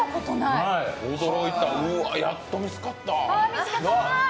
驚いた、やっと見つかった！